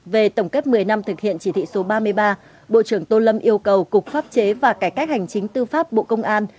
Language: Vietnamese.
về tổng kết một mươi năm thực hiện chỉ thị số ba mươi ba bộ trưởng tô lâm yêu cầu cục pháp chế và cải cách hành chính tư pháp bộ công an